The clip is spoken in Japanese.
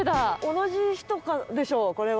同じ人でしょうこれは。